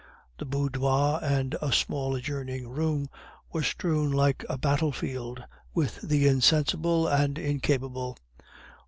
The boudoir and a small adjoining room were strewn like a battlefield with the insensible and incapable.